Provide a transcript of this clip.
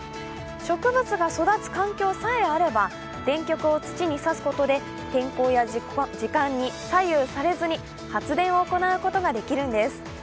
植物が育つ環境さえあれば、電極を土に刺すことで天候や時間に左右されずに発電を行うことができるんです。